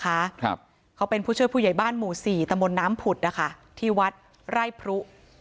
ครับเขาเป็นผู้ช่วยผู้ใหญ่บ้านหมู่สี่ตะมนต์น้ำผุดนะคะที่วัดไร่พรุ